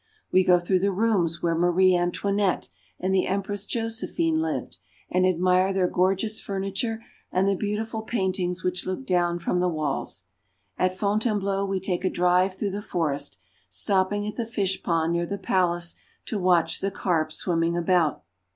We go through the rooms where Marie Antoinette and the Em press Josephine lived, and admire their gorgeous furniture and the beautiful paintings which look down from the walls. At Fontainebleau we take a drive through the forest, stopping at the fish pond near the palace to watch the carp swimming about.